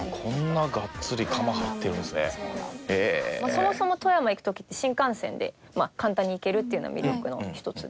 そもそも富山行く時って新幹線で簡単に行けるっていうのも魅力の１つで。